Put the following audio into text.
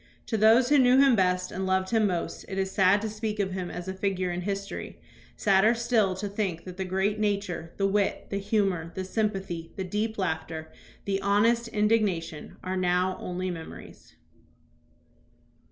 To those who knew him best and loved him most it is sad to speak of him as a figure in history, sadder still to think that the great nature, the wit, the humor, the sympathy, the deep laughter, the honest indigna tion, are now only memories.